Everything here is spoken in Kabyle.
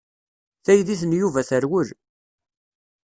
Taydit n Yuba terwel.